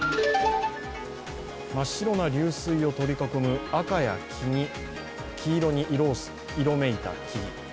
真っ白な流水を取り囲む赤や黄色に色めいた木々。